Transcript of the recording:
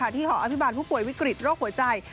ที่หออภิบาลผู้ป่วยวิกฤตโรคหัวใจ